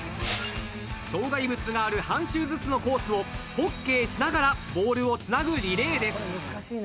［障害物がある半周ずつのコースをホッケーしながらボールをつなぐリレーです］